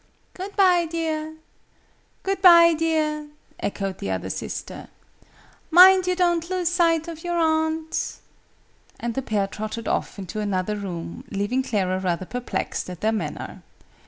Good bye, dear!" "Good bye, dear!" echoed the other sister, "Mind you don't lose sight of your aunt!" And the pair trotted off into another room, leaving Clara rather perplexed at their manner.